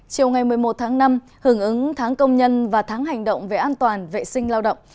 chiều ngày một mươi một tháng năm hưởng ứng tháng công nhân và tháng hành động về an toàn vệ sinh lao động